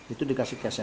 itu dikasih kasnya